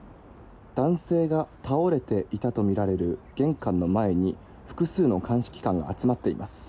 男性が倒れていたとみられる玄関の前に複数の鑑識官が集まっています。